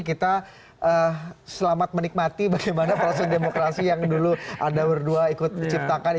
kita selamat menikmati bagaimana proses demokrasi yang dulu anda berdua ikut menciptakan